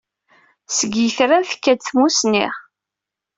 Seg yitran tekka-d tmussni.